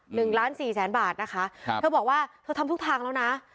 หนึ่งล้านสี่แสนบาทนะคะครับเธอบอกว่าเธอทำทุกทางแล้วนะ